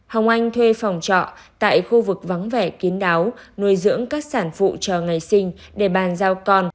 hồng anh thuê phòng trọ tại khu vực vắng vẻ kiến đáo nuôi dưỡng các sản phụ cho ngày sinh để bàn giao con